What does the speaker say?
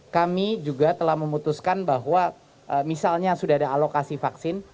kami juga telah memutuskan bahwa misalnya sudah ada alokasi vaksin